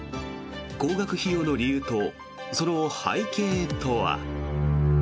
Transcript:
高額費用の理由とその背景とは。